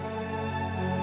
aku akan mencari tuhan